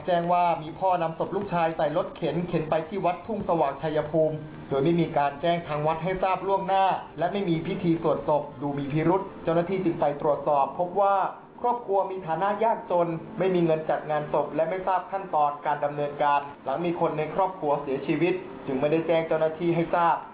หลังมีคนในครอบครัวเสียชีวิตจึงไม่ได้แจ้งเจ้าหน้าที่ให้ทราบ